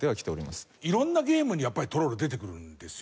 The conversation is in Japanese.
色んなゲームにやっぱりトロール出てくるんですよ。